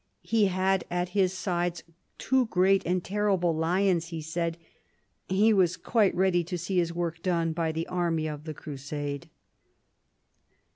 He had at his sides two great and terrible lions, he said. He was quite ready to see his work done by the army of the crusade.